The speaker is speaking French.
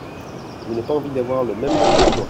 Je n'ai pas envie d'avoir le même manteau que toi.